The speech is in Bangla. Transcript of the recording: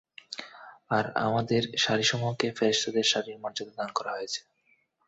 আর আমাদের সারিসমূহকে ফেরেশতাদের সারির মর্যাদা দান করা হয়েছে।